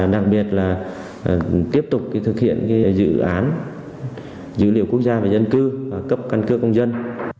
đặc biệt là tiếp tục thực hiện dự án dữ liệu quốc gia về dân cư cấp căn cước công dân